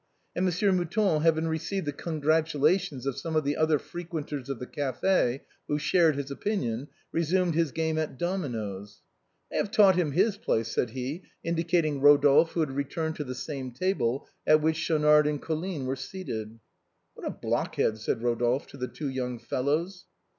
And Monsieur Mouton having received the congratu lations of some of the other frequenters of the café who shared his opinion, resumed his game at dominoes. " I have taught him his place," said he, indicating Ro dolphe, who had returned to the same table at which Schaunard and Colline were seated. " What a blockhead !" said Rodolphe to the two young fellows.